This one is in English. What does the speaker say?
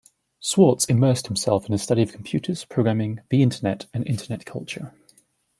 Swartz immersed himself in the study of computers, programming, the Internet, and Internet culture.